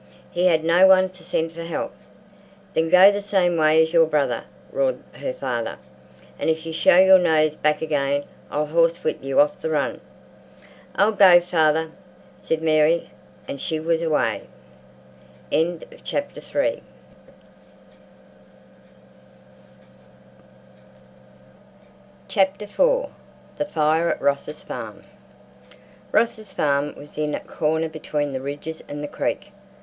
"He had no one to send for help." "Then go the same way as your brother!" roared her father; "and if you show your nose back again I'll horse whip you off the run!" "I'll go, father," said Mary, and she was away. IV.—THE FIRE AT ROSS'S FARM Ross's farm was in a corner between the ridges and the creek.